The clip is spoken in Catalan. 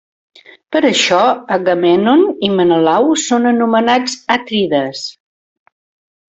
Per això Agamèmnon i Menelau són anomenats Atrides.